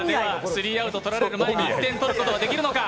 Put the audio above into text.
スリーアウト取られる前に１点取ることができるのか。